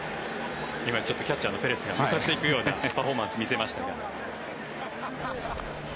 キャッチャーのペレスが向かっていくようなパフォーマンスを見せましたが。